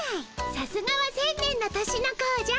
さすがは１，０００年の年のこうじゃ。